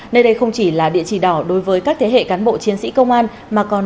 nơi đây không chỉ là địa chỉ đỏ đối với các thế hệ cán bộ chiến sĩ công an